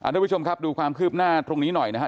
ทุกผู้ชมครับดูความคืบหน้าตรงนี้หน่อยนะฮะ